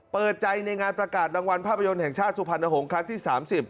เปิดใจในงานประกาศรางวัลภาพยนตร์แห่งชาติสุพรรณหงษ์ครั้งที่๓๐